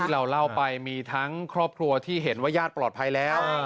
เราเล่าไปมีทั้งครอบครัวที่เห็นว่าญาติปลอดภัยแล้ว